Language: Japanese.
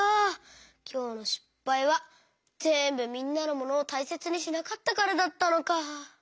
きょうのしっぱいはぜんぶみんなのモノをたいせつにしなかったからだったのか。